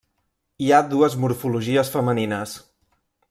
Hi ha dues morfologies femenines.